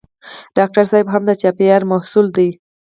ډاکټر صېب هم د چاپېریال محصول دی.